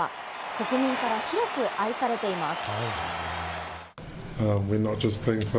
国民から広く愛されています。